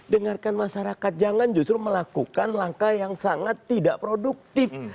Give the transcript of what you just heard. dengarkan masyarakat jangan justru melakukan langkah yang sangat tidak produktif